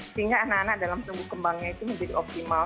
sehingga anak anak dalam tumbuh kembangnya itu menjadi optimal